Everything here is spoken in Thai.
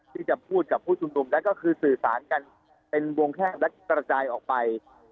ที่จะพูดกับผู้ชุมนุมนั้นก็คือสื่อสารกันเป็นวงแค่งและกระจายออกไป